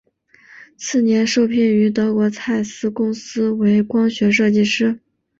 次年受聘于德国蔡司公司为光学设计师。